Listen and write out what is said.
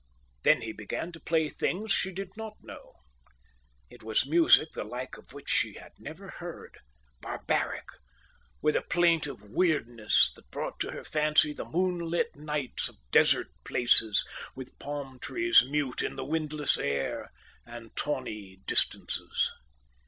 Then he began to play things she did not know. It was music the like of which she had never heard, barbaric, with a plaintive weirdness that brought to her fancy the moonlit nights of desert places, with palm trees mute in the windless air, and tawny distances.